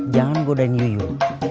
jangan godein yuyun